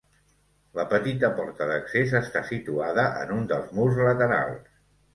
La petita porta d'accés, està situada en un dels murs laterals.